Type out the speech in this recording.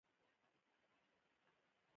تاریخ لوستلو ته اړتیا لري